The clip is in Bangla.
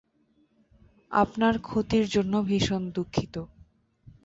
আপনার ক্ষতির জন্য ভীষণ দুঃখিত।